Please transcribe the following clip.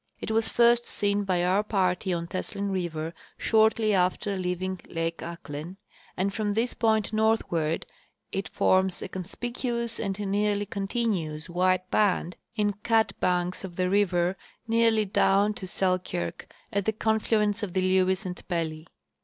It was first seen by our party on Teslin river shortly after leaving lake Ahklen, and from this point northward it forms a conspicuous and nearly continuous white band in cut banks of the river nearly doAvn to Selkirk, at the confluence of the Lewes and Pelly.